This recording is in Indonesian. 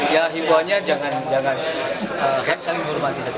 yang penting ketupatnya sama ya